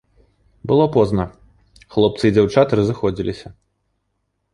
Было позна, хлопцы і дзяўчаты разыходзіліся.